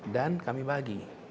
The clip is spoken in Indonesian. dan kami bagi